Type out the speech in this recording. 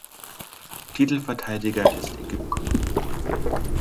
Titelverteidiger ist Ägypten.